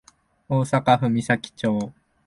大阪府岬町